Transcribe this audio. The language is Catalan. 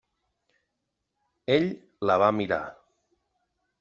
Ell la va mirar.